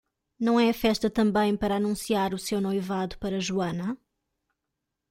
Não é a festa também para anunciar o seu noivado para Joanna?